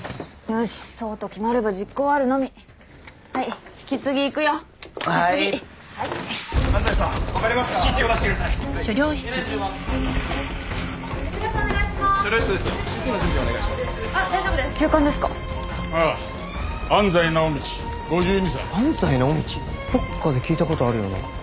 どっかで聞いたことあるような。